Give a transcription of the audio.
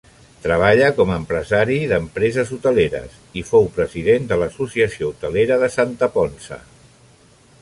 Treballa com a empresari d'empreses hoteleres i fou president de l'Associació Hotelera de Santa Ponça.